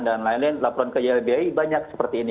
dan lain lain laporan ke ylbi banyak seperti ini